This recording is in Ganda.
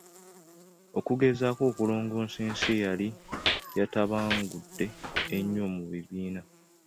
Okugezaako okulongoosa ensi eyali yeetabangudde ennyo mu bibiina.